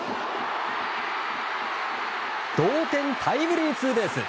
同点タイムリーツーベース！